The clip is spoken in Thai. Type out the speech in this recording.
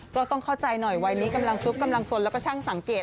ก็ต้องเข้าใจหน่อยวัยนี้กำลังซุกกำลังสนแล้วก็ช่างสังเกต